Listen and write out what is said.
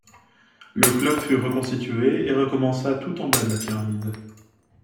Le club fut reconstitué et recommença tout en bas de la pyramide.